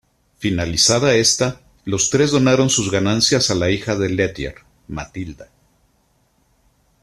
Finalizada esta, los tres donaron sus ganancias a la hija de Ledger, Matilda.